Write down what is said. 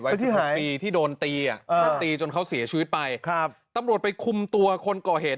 ไว้๑๖ปีที่โดนตีจนเขาเสียชีวิตไปตำรวจไปคุมตัวคนก่อเหตุ